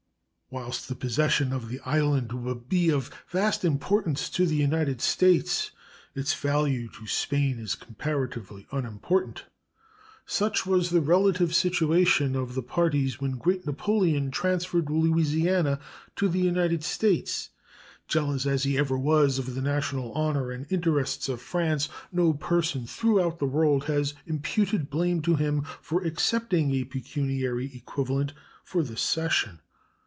Whilst the possession of the island would be of vast importance to the United States, its value to Spain is comparatively unimportant. Such was the relative situation of the parties when the great Napoleon transferred Louisiana to the United States. Jealous as he ever was of the national honor and interests of France, no person throughout the world has imputed blame to him for accepting a pecuniary equivalent for this cession.